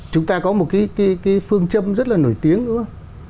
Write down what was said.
chúng ta có một cái phương châm rất là nổi tiếng nữa